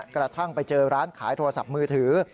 กระทั่งไปเจอร้านขายโทรศัพท์มือถือ